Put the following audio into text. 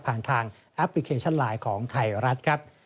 ทางแอปพลิเคชันไลน์ของไทยรัฐครับ